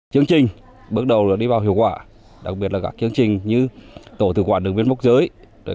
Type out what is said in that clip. chương trình bước đầu đi vào hiệu quả đặc biệt là các chương trình như tổ tự quản đường biên mốc giới